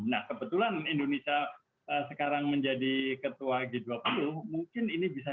nah kebetulan indonesia sekarang menjadi ketua g dua puluh mungkin ini bisa